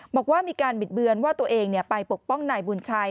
บอกว่ามีการบิดเบือนว่าตัวเองไปปกป้องนายบุญชัย